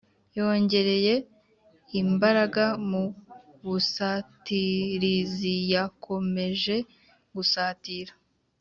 yongereye imbaraga mu busatiriziyakomeje gusatira